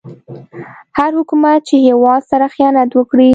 هر حکومت چې هيواد سره خيانت وکړي